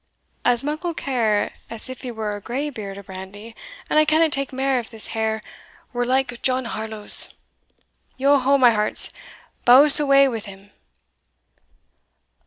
"As muckle care as if he were a graybeard o' brandy; and I canna take mair if his hair were like John Harlowe's. Yo ho, my hearts! bowse away with him!"